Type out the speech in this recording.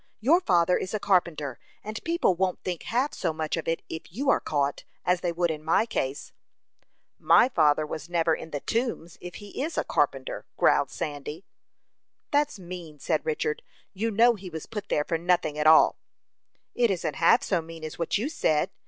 Your father is a carpenter, and people won't think half so much of it if you are caught, as they would in my case." "My father never was in the Tombs if he is a carpenter," growled Sandy. "That's mean," said Richard. "You know he was put there for nothing at all." "It isn't half so mean as what you said.